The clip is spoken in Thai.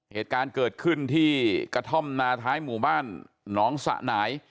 เหตุการณ์เกิดขึ้นที่กระท่อมนาท้ายหมู่บ้านหนองสะหน่าย